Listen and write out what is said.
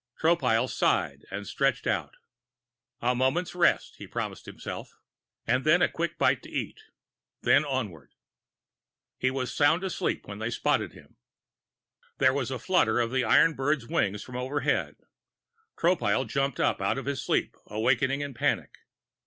Tropile sighed and stretched out. A moment's rest, he promised himself, and then a quick bite to eat, and then onward.... He was sound asleep when they spotted him. There was a flutter of iron bird's wings from overhead. Tropile jumped up out of his sleep, awakening to panic.